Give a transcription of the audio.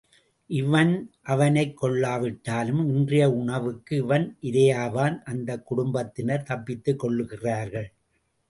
இவன் அவனைக் கொள்ளாவிட்டாலும் இன்றைய உணவுக்கு இவன் இரையாவான் அந்தக் குடும்பத்தினர் தப்பித்துக் கொள்கிறார்கள்.